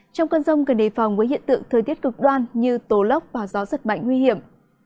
trong cơn rông cần đề phòng với hiện tượng thời tiết cực đoan như tố lốc và gió giật mạnh nguy hiểm